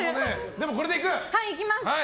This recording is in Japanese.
でもこれでいく！